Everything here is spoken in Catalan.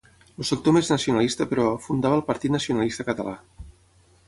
El sector més nacionalista, però, fundava el Partit Nacionalista Català.